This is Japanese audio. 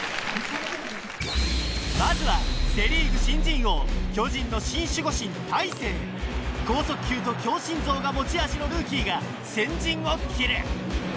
まずはセ・リーグ新人王巨人の新守護神剛速球と強心臓が持ち味のルーキーが先陣を切る！